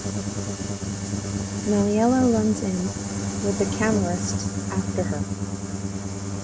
Maliella runs in, with the Camorrists after her.